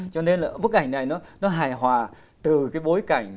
cho nên là bức ảnh này nó hài hòa từ cái bối cảnh